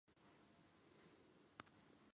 母苗氏。